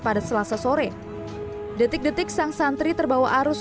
pada selasa sore detik detik sang santri terbawa arus